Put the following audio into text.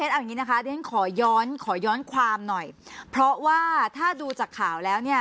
เอาอย่างนี้นะคะเดี๋ยวฉันขอย้อนขอย้อนความหน่อยเพราะว่าถ้าดูจากข่าวแล้วเนี่ย